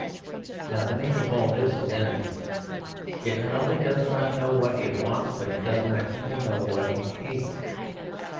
Now the name of all this is Anarchy. It not only does not know what it wants, but it does not even know what it hates.